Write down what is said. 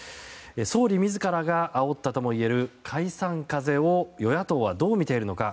総理自らがあおったともいえる解散風を与野党はどう見ているのか。